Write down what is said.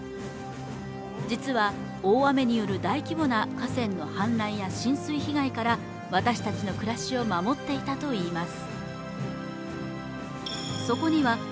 実は大雨による大規模な河川の氾濫や浸水被害から私たちの暮らしを守っていたといいます。